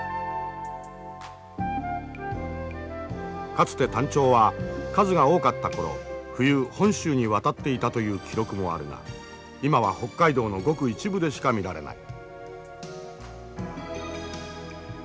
かつてタンチョウは数が多かった頃冬本州に渡っていたという記録もあるが今は北海道のごく一部でしか見られない。